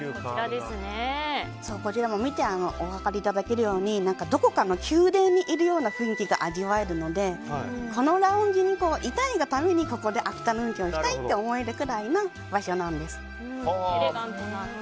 こちら見てお分かりいただけるようにどこかの宮殿にいるような雰囲気が味わえるのでこのラウンジにいたいがためにここでアフタヌーンティーに行きたいって思えるぐらいの場所です。